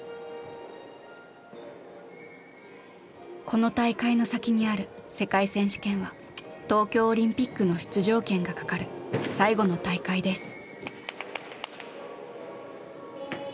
この大会の先にある世界選手権は東京オリンピックの出場権がかかる最後の大会です。